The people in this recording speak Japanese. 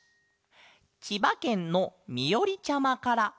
ちばけんのみおりちゃまから。